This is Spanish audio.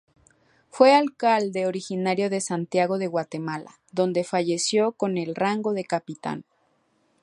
Fue alcalde ordinario de Santiago de Guatemala, donde falleció con el rango de capitán.